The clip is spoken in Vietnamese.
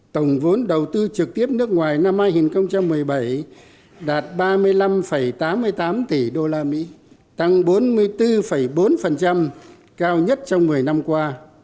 tổng vốn đầu tư trực tiếp nước ngoài năm hai nghìn một mươi bảy đạt ba mươi năm tám mươi tám tỷ usd tăng bốn mươi bốn bốn cao nhất trong một mươi năm qua